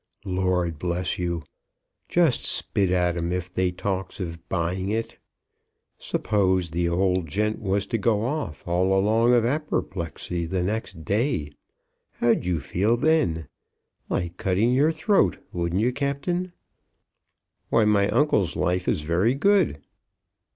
Lord bless you! Just spit at 'em if they talks of buying it. S'pose the old gent was to go off all along of apperplexy the next day, how'd you feel then? Like cutting your throat; wouldn't you, Captain?" "But my uncle's life is very good."